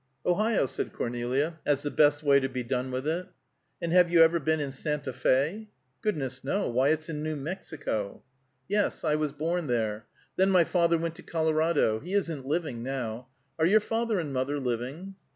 "Ohio," said Cornelia, as the best way to be done with it. "And have you ever been in Santa Fé?" "Goodness, no! Why, it's in New Mexico!" "Yes; I was born there. Then my father went to Colorado. He isn't living, now. Are your father and mother living?"